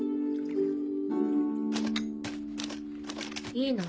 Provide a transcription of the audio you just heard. いいの？